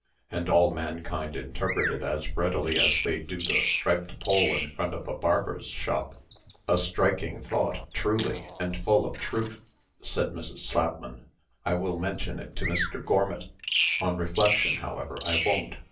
And all mankind interpret it as readily as they do the striped pole in front of a barber's shop." "A striking thought, truly, and full of TRUTH," said Mrs. Slapman. "I will mention it to Mr. Gormit. On reflection, however, I won't.